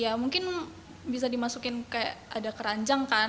ya mungkin bisa dimasukin kayak ada keranjang kan